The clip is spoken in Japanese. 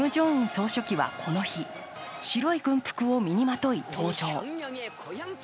総書記はこの日、白い軍服を身にまとい登場。